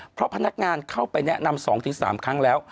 เพราะพนักงานเข้าไปแนะนำ๒๓ครั้งแล้ว